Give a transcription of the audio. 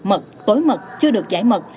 mật tối mật chưa được giải mật